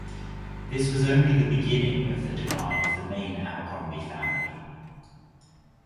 This was only the beginning of the decline of the main Abercrombie family.